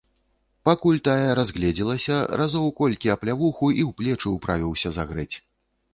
Пакуль тая разгледзелася, разоў колькі аплявуху і ў плечы ўправіўся загрэць.